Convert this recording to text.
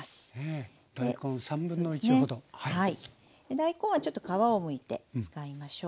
大根はちょっと皮をむいて使いましょう。